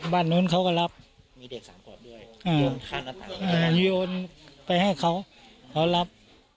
บ้านโน้นเขาก็รับมีเด็กสามขวบด้วยเออเออยนต์ไปให้เขาเขารับ